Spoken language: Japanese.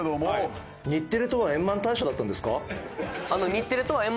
日テレとは円満退社だったんですか？